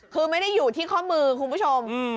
คือไม่ได้อยู่ที่ข้อมือคุณผู้ชม